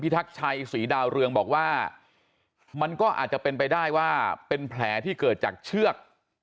ทักชัยศรีดาวเรืองบอกว่ามันก็อาจจะเป็นไปได้ว่าเป็นแผลที่เกิดจากเชือก